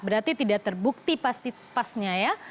berarti tidak terbukti pasti pasnya ya